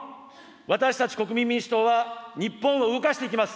私たち国民民主党は、日本を動かしていきます。